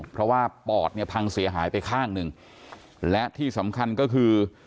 เพราะว่าปอดเนี่ยพังเสียหายไปข้างหนึ่งและที่สำคัญก็คือ